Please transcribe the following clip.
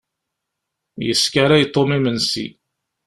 Yeskaray Tom imensi.